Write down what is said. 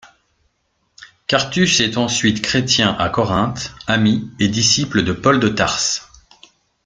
Quartus est ensuite chrétien à Corinthe, ami et disciple de Paul de Tarse.